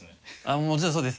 もちろんそうです。